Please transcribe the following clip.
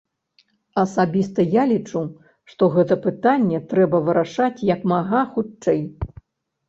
Асабіста я лічу, што гэта пытанне трэба вырашаць як мага хутчэй.